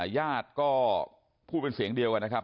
ญาติก็พูดเป็นเสียงเดียวกันนะครับ